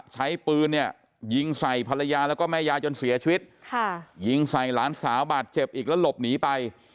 ใช้ปืนเนี่ยยิงใส่ภรรยาแล้วก็แม่ยายจนเสียชีวิตค่ะยิงใส่หลานสาวบาดเจ็บอีกแล้วหลบหนีไป